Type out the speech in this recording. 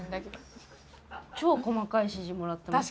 超細かい指示もらってました。